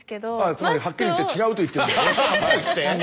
つまりはっきり言って違うと言ってるんですね。